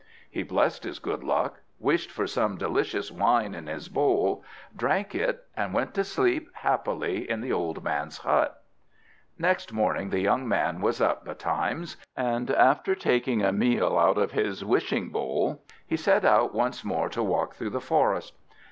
He blessed his good luck, wished for some delicious wine in his bowl, drank it, and went to sleep happily, in the old man's hut. Next morning the young man was up betimes; and after taking a meal out of his wishing bowl, he set out once more to walk through the forest.